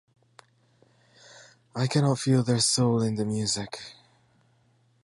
I cannot feel their soul in the music.